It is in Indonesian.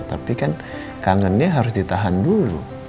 tapi kan kangen dia harus ditahan dulu